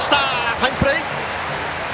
ファインプレー！